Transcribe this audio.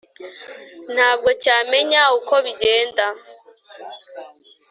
ntabwo cyamenya uko bigenda.